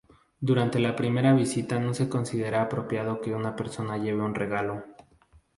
Durante la primera visita no se considera apropiado que una persona lleve un regalo.